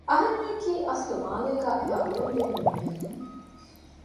އަހަރެންންނަކީ އަސްލު މާލޭގައި އެހާ އުޅެން ބޭނުން މީހެއް ނޫން